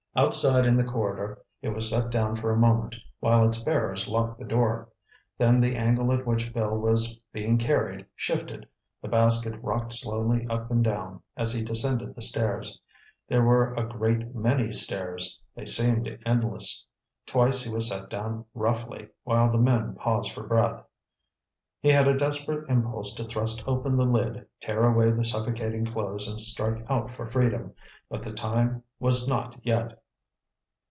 Outside in the corridor it was set down for a moment while its bearers locked the door. Then the angle at which Bill was being carried shifted, the basket rocked slowly up and down, as he descended the stairs. There were a great many stairs—they seemed endless. Twice he was set down roughly, while the men paused for breath. He had a desperate impulse to thrust open the lid, tear away the suffocating clothes and strike out for freedom. But the time was not yet.